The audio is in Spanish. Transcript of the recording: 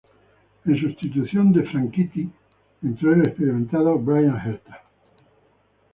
En sustitución de Franchitti entró el experimentado Bryan Herta.